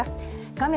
画面